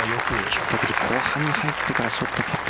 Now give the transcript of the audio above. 後半に入ってからショット、パット